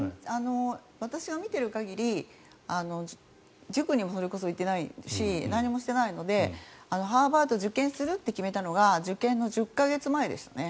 私が見てる限り塾にもそれこそ行っていないし何もしていないのでハーバードを受験するって決めたのが受験の１０か月前でしたね。